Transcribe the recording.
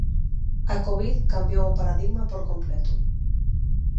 A Covid cambiou o paradigma por completo.